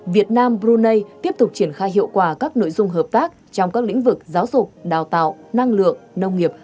việt nam brunei tiếp tục triển khai hiệu quả các nội dung hợp tác trong các lĩnh vực giáo dục đào tạo năng lượng nông nghiệp